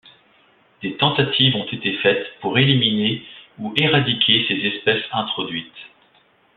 Des tentatives ont été faites pour éliminer ou éradiquer ces espèces introduites.